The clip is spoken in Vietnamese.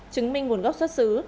chứng minh nguồn gốc xuất xứ